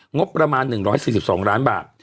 งบประมาณ๑๔๒ล้านบาท